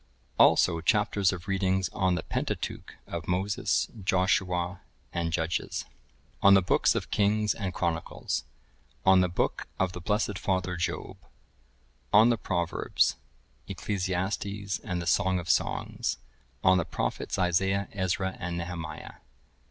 Also, Chapters of Readings on the Pentateuch of Moses, Joshua, and Judges; On the Books of Kings and Chronicles; On the Book of the blessed Father Job; On the Proverbs,(1048) Ecclesiastes, and the Song of Songs; On the Prophets Isaiah, Ezra, and Nehemiah.